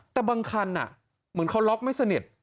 แต่บางคันเหมือนเขาล็อกไม่สนิท